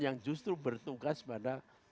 yang justru bertugas pada